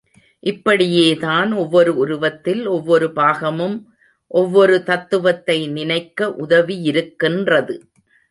இப்படியேதான் ஒவ்வொரு உருவத்தில் ஒவ்வொரு பாகமும் ஒவ்வொரு தத்துவத்தை நினைக்க உதவியிருக்கின்றது.